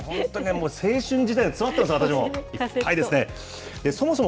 青春時代が詰まってます、私も。